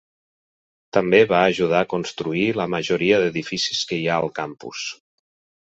També va ajudar a construir la majoria d'edificis que hi ha al campus.